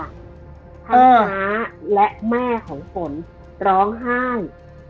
ทั้งน้าและแม่ของฝนร้องไห้